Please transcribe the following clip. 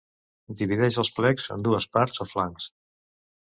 Divideix el plec en dues parts o flancs.